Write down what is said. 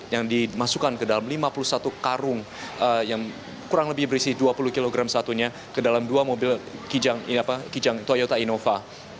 yang dimasukkan ke dalam lima puluh satu karung yang kurang lebih berisi dua puluh kg satunya ke dalam dua mobil kijang toyota innova